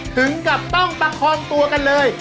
ถึงกับต้องประคองตัวกันเลย